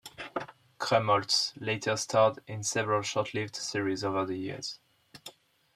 Krumholtz later starred in several short-lived series over the years.